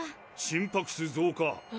心拍数増加。